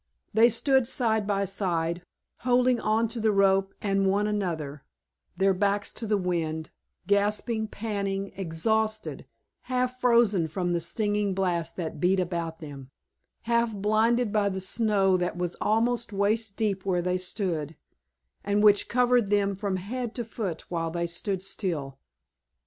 They stood side by side, holding on to the rope and one another, their backs to the wind, gasping, panting, exhausted, half frozen from the stinging blast that beat about them, half blinded by the snow that was almost waist deep where they stood, and which covered them from head to foot while they stood still.